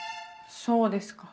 そうですか。